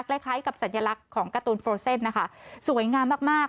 คล้ายคล้ายกับสัญลักษณ์ของการ์ตูนโปรเซนต์นะคะสวยงามมากมาก